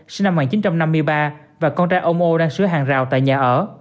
sinh năm một nghìn chín trăm năm mươi ba và con trai ông ô đang sửa hàng rào tại nhà ở